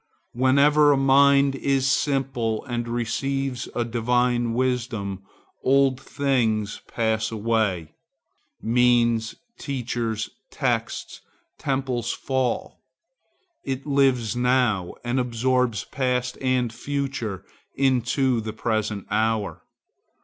Whenever a mind is simple and receives a divine wisdom, old things pass away,—means, teachers, texts, temples fall; it lives now, and absorbs past and future into the present hour.